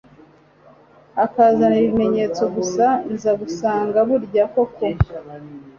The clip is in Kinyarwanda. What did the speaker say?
akazana ibimenyetso gusa nza gusanga burya koko